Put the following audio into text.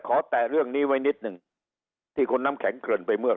แตะเรื่องนี้ไว้นิดหนึ่งที่คุณน้ำแข็งเกินไปเมื่อ